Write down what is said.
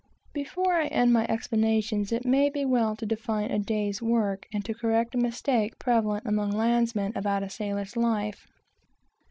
Before I end my explanations, it may be well to define a day's work, and to correct a mistake prevalent among landsmen about a sailor's life.